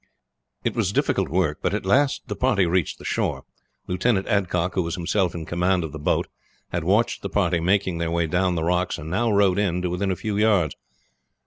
It was difficult work, but at last the party reached the shore. Lieutenant Adcock, who was himself in command of the boat, had watched the party making their way down the rocks, and now rowed in to within a few yards.